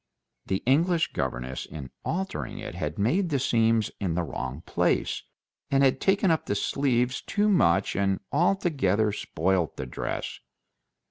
The English governess in altering it had made the seams in the wrong place, had taken up the sleeves too much, and altogether spoilt the dress.